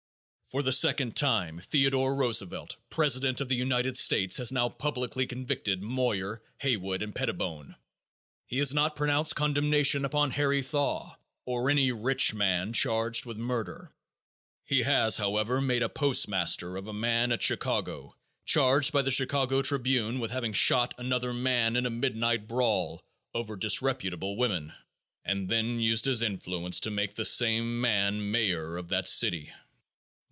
For the second time, Theodore Roosevelt, president of the United States, has now publicly convicted Moyer, Haywood and Pettibone. He has not pronounced condemnation upon Harry Thaw, or any rich man charged with murder. He has, however, made a postmaster of a man at Chicago charged by the Chicago Tribune with having shot another man in a midnight brawl over disreputable women, and then used his influence to make the same man mayor of that city.